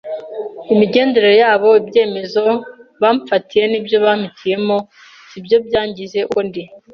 imigendere yabo, ibyemezo bamfatiye n’ibyo bampitiyemo si byo byangize uko ndi.